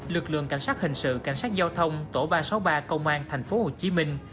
lực lượng cảnh sát hình sự cảnh sát giao thông tổ ba trăm sáu mươi ba công an thành phố hồ chí minh